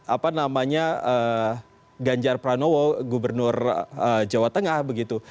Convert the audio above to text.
apa namanya ganjar pranowo gubernur jawa tengah begitu